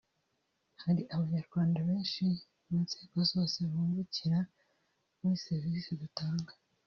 Hari abanyarwanda benshi mu nzego zose bungukira muri serivisi dutanga